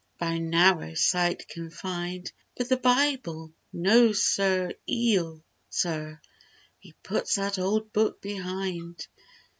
By narrow sight confined— But the Bible! No sir eel Sir! He puts that old Book behind.